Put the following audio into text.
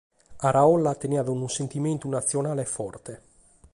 Araolla teniat unu sentimentu natzionale forte.